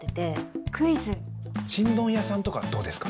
ちんどん屋さんとかどうですか？